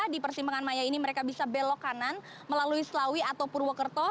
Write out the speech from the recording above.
di persimpangan maya ini mereka bisa belok kanan melalui selawi atau purwokerto